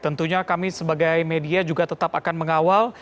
tentunya kami sebagai media juga tetap akan mengawal